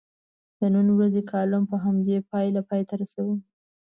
د نن ورځې کالم په همدې پایله پای ته رسوم.